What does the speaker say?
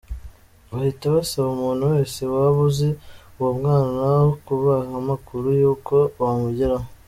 Bahita basaba umuntu wese waba uzi uwo mwana kubaha amakuru y’uko bamugeraho.